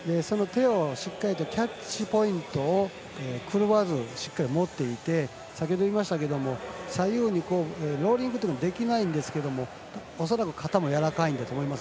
しっかりキャッチポイントを狂わずしっかり持っていて先ほどいいましたけど左右にローリングというのができないんですけれども恐らく肩もやわらかいんだと思います。